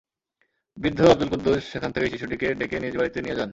বৃদ্ধ আবদুল কুদ্দুস সেখান থেকে শিশুটিকে ডেকে নিজ বাড়িতে নিয়ে যান।